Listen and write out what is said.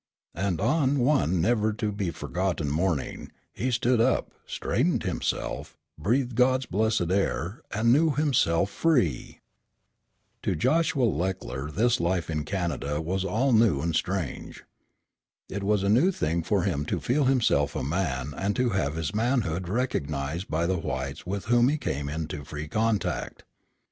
And on one never to be forgotten morning he stood up, straightened himself, breathed God's blessed air, and knew himself free! III To Joshua Leckler this life in Canada was all new and strange. It was a new thing for him to feel himself a man and to have his manhood recognized by the whites with whom he came into free contact.